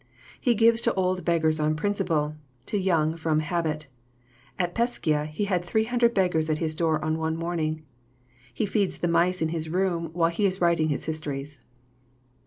He gives to old beggars on principle, to young from habit. At Pescia he had 300 beggars at his door on one morning. He feeds the mice in his room while he is writing his histories."